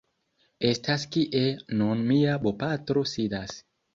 estas kie nun mia bopatro sidas.